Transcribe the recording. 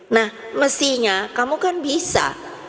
nah mestinya kamu kan bisa